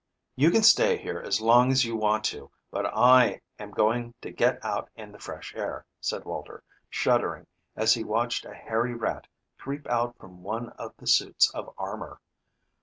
"You can stay here as long as you want to, but I am going to get out in the fresh air," said Walter, shuddering as he watched a hairy rat creep out from one of the suits of armor.